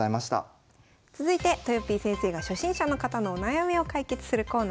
続いてとよぴー先生が初心者の方のお悩みを解決するコーナーです。